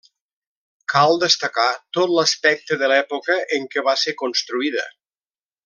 Cal destacar tot l'aspecte de l'època en què va ésser construïda.